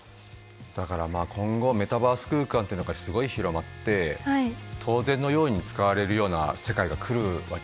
だから今後メタバース空間ってのがすごい広まって当然のように使われるような世界が来るわけじゃない。